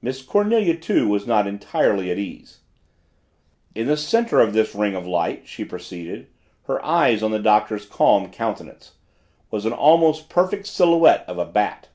Miss Cornelia, too, was not entirely at ease. "In the center of this ring of light," she proceeded, her eyes on the Doctor's calm countenance, "was an almost perfect silhouette of a bat."